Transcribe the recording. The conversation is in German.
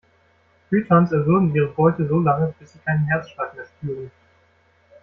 Pythons erwürgen ihre Beute so lange, bis sie keinen Herzschlag mehr spüren.